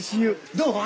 どう？